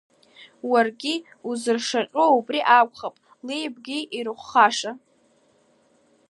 Уаргьы узыршаҟьо убри акәхап, леи-бгеи ирыхәхаша!